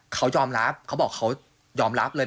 เขายอมรับเขาบอกเขายอมรับเลย